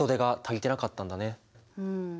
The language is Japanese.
うん。